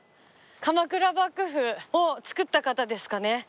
鎌倉幕府を作った方ですかね。